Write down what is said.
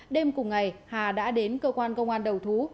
đêm cùng ngày hà đã đến cơ quan công an đầu thú